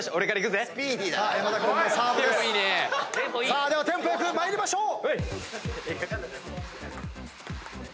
さあではテンポ良く参りましょう。